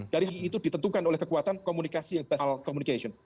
jadi itu ditentukan oleh kekuatan komunikasi yang terkait komunikasi